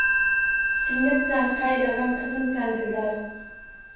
Singlimsan, qaylig’im, qizimsan, dildor.